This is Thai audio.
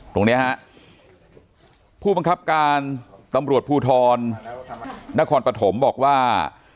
ตรงนี้ฮะผู้บังคับการตำรวจภูทรนครปฐมบอกว่า